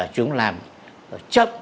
chúng làm chấp